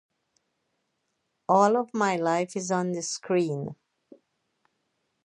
All of my life is on the screen.